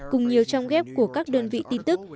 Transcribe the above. cùng nhiều trang web của các đơn vị tin tức